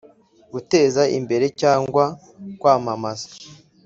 guteza imbere cyangwa kwamamaza